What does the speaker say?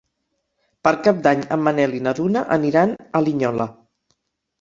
Per Cap d'Any en Manel i na Duna aniran a Linyola.